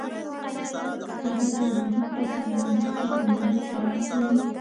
هغه د غروب په سمندر کې د امید څراغ ولید.